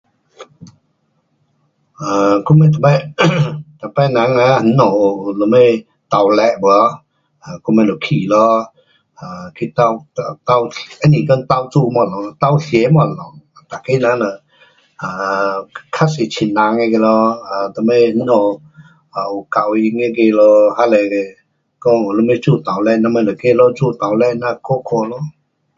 我们每次人在家要热闹我们都会去，不是帮忙做事，帮忙吃东西。每人，多亲戚结婚或者热闹做热​​闹就去看看